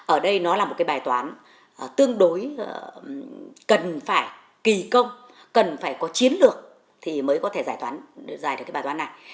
ở đây nó là một cái bài toán tương đối cần phải kỳ công cần phải có chiến lược thì mới có thể giải toán dài được cái bài toán này